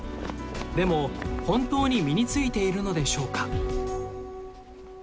でも本当に身に付いているのでしょうか？